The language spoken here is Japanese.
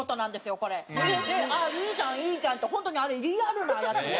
「いいじゃんいいじゃん」って本当にあれリアルなやつで。